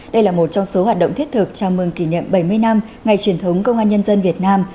đây là một trong số hoạt động thiết thực chào mừng kỷ niệm bảy mươi năm ngày truyền thống công an nhân dân việt nam